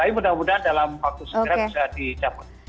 tapi mudah mudahan dalam waktu segera bisa dicabut